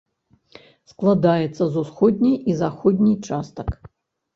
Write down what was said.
Складаецца з усходняй і заходняй частак.